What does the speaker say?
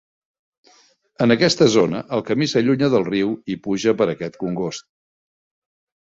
En aquesta zona, el camí s'allunya del riu i puja per aquest congost.